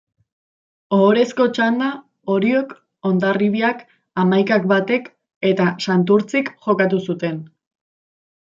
Ohorezko txanda Oriok, Hondarribiak, Amaikak Batek eta Santurtzik jokatu zuten.